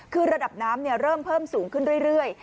คือระดับน้ำเริ่มเพิ่มสูงขึ้นเรื่อย